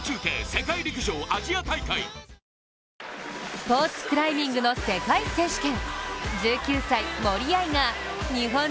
スポーツクライミングの世界選手権。